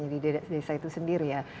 di desa itu sendiri ya